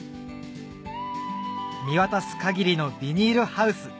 見渡す限りのビニールハウス